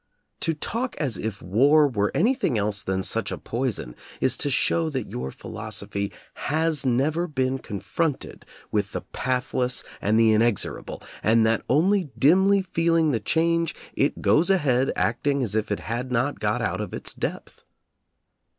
To talk as if war were any thing else than such a poison is to show that your philosophy has never been confronted with the pathless and the inexorable, and that, only dimly feeling the change, it goes ahead acting as if it had not got out of its depth.